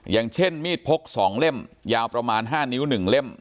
อย่างเช่นมีดพกสองเล่มยาวประมาณห้านิ้วหนึ่งเล่ม